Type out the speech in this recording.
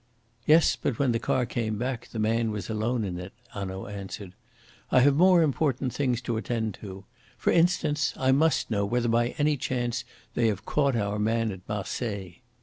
"Yes, but when the car came back, the man was alone in it," Hanaud answered. "I have more important things to attend to. For instance I must know whether by any chance they have caught our man at Marseilles."